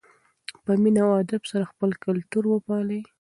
په مینه او ادب سره خپل کلتور وپالئ.